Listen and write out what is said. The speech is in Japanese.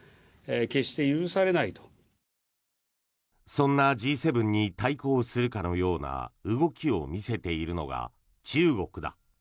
そんなＧ７に対抗するかのような動きを見せているのが中国だ。